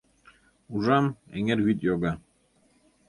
Ужам — эҥер вӱд йога.